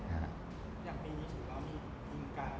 อย่างปีนี้ถือว่ามีการเงิน